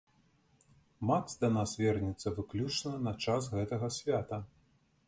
Макс да нас вернецца выключна на час гэтага свята.